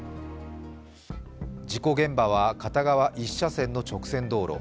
事故現場は片側１車線の直線道路。